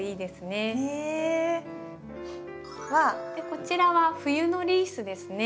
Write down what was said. こちらは冬のリースですね。